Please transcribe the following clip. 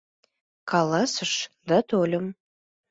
Каласыш, да тольым.